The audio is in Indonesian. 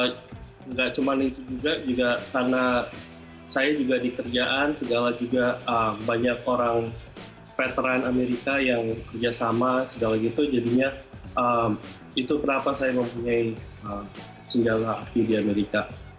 tidak cuma itu juga karena saya juga di kerjaan banyak orang veteran amerika yang kerja sama jadinya itu kenapa saya mempunyai senjata api di amerika